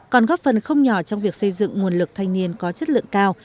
còn góp phần không nhỏ trong việc xây dựng nguồn lực thanh niên có chất lượng cao